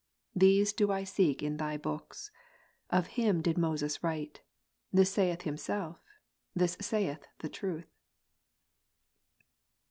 These do I seek in Thy books. Of Him did Moses ivrite ; this saith Himself; this saith the Truth.